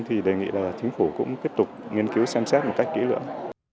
thì đề nghị là chính phủ cũng tiếp tục nghiên cứu xem xét một cách kỹ lưỡng